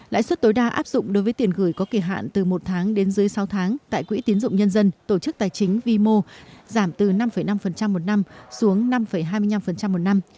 lãi suất tối đa áp dụng đối với tiền gửi có kỳ hạn từ một tháng đến dưới sáu tháng tại quỹ tiến dụng nhân dân tổ chức tài chính vimo giảm từ năm năm một năm xuống năm hai mươi năm một năm